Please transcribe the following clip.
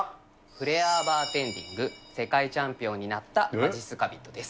フレアバーテンディング、世界チャンピオンになったまじっすか人です。